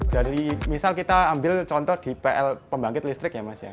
dari misal kita ambil contoh di pl pembangkit listrik ya mas ya